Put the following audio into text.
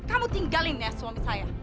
kamu tinggalin ya suami saya